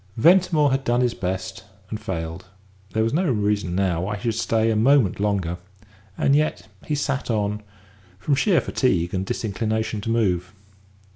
Ventimore had done his best, and failed; there was no reason now why he should stay a moment longer and yet he sat on, from sheer fatigue and disinclination to move.